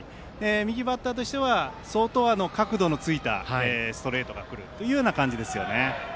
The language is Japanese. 右バッターとしては相当、角度のついたストレートが来るというような感じですね。